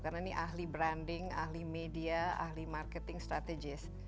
karena ini ahli branding ahli media ahli marketing strategist